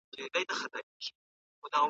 زموږ په ټولنه کي د شخصیتونو درناوی وکړئ.